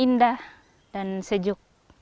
indah dan sejuk